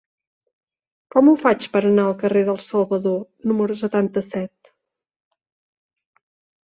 Com ho faig per anar al carrer dels Salvador número setanta-set?